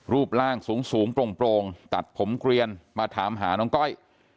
รูปร่างสูงโปร่งตัดผมเกลียนมาถามหาน้องก้อย